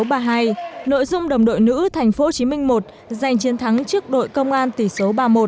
trong trận đồng đội hai nội dung đồng đội nữ tp hcm một giành chiến thắng trước đội công an tỷ số ba một